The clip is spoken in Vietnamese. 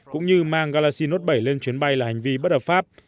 cũng như mang galaxy note bảy lên chuyến bay là hành vi bất hợp pháp